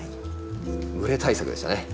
蒸れ対策でしたね。